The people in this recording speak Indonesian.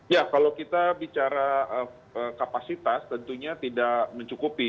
ya kalau kita bicara kapasitas tentunya tidak mencukupi